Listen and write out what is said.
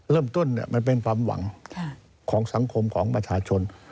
มันเป็นความหวังของสังคมของประชาชน